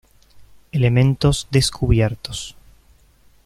Elementos descubiertos:.